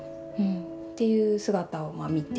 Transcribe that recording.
っていう姿を見て。